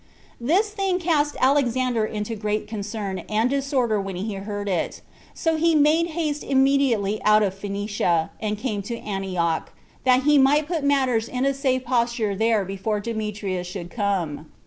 This thing cast Alexander into great concern and disorder when he heard it; so he made haste immediately out of Phoenicia, and came to Antioch, that he might put matters in a safe posture there before Demetrius should come.